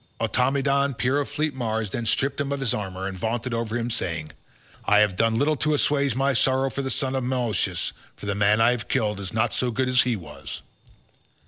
Automedon, peer of fleet Mars, then stripped him of his armour and vaunted over him saying, "I have done little to assuage my sorrow for the son of Menoetius, for the man I have killed is not so good as he was."